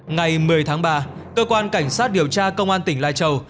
ngày một mươi tháng ba cơ quan cảnh sát điều tra công an tỉnh lai châu